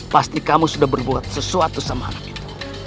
pasti kamu sudah berbuat sesuatu sama anak itu